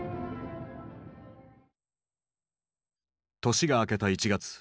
年が明けた１月。